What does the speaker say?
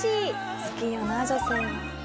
好きよな女性は。